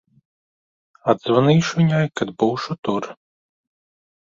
Atzvanīšu viņai, kad būšu tur.